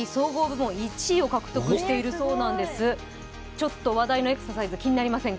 ちょっと話題のエクササイズ気になりませんか？